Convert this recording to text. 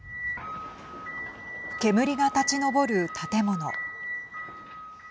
煙が立ち上る建物。